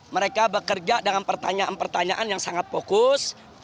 mereka bekerja dengan pertanyaan pertanyaan yang sangat fokus